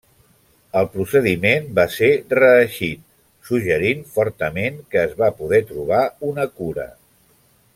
El procediment va ser reeixit, suggerint fortament que es va poder trobar una cura.